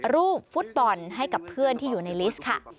รูปฟุตบอลให้กับเพื่อนที่อยู่ในลิสต์ค่ะ